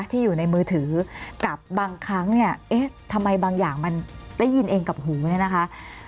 ที่อยู่ในมือถือกับบางครั้งเนี่ยเอ๊ะทำไมบางอย่างมันได้ยินเองกับหูเนี่ยนะคะ